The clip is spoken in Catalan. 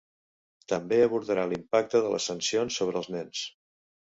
També abordarà l'impacte de les sancions sobre els nens.